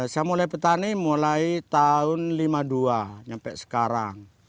saya mulai petani mulai tahun lima puluh dua sampai sekarang